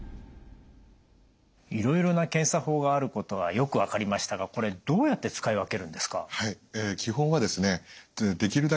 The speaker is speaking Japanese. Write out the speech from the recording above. いろいろな検査法があることはよく分かりましたがこれどうやって使い分けるんですか？